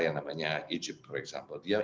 yang namanya egypt for example dia